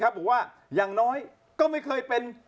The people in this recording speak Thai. ของเกงตำนานน้อยก็ไม่เคยเป็น